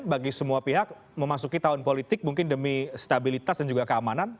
bagi semua pihak memasuki tahun politik mungkin demi stabilitas dan juga keamanan